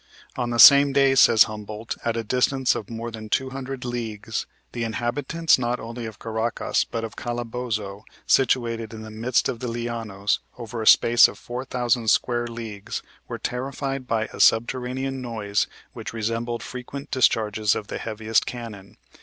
On the same day, says Humboldt, at a distance of more than 200 leagues, "the inhabitants not only of Caracas, but of Calabozo, situated in the midst of the Lianos, over a space of 4,000 square leagues, were terrified by a subterranean noise which resembled frequent discharges of the heaviest cannon.